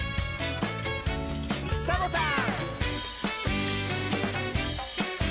サボさん！